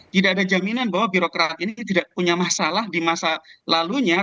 tidak ada jaminan bahwa birokrat ini tidak punya masalah di masa lalunya